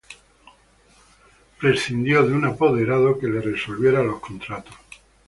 Prescindió de apoderado que le resolviera los contratos.